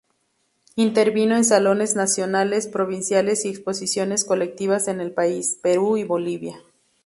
Intervino en salones Nacionales, Provinciales y exposiciones colectivas en el país, Perú y Bolivia.